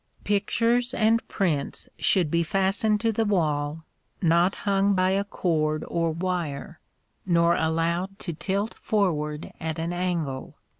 Pictures and prints should be fastened to the wall, not hung by a cord or wire, nor allowed to tilt forward at an angle.